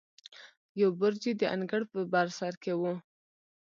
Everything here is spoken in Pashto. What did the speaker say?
یو برج یې د انګړ په بر سر کې و.